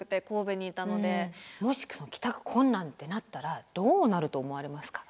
もしその帰宅困難ってなったらどうなると思われますか？